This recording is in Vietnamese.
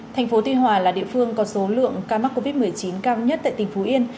thành phố tuy hòa là địa phương có số lượng ca mắc covid một mươi chín cao nhất tại tỉnh phú yên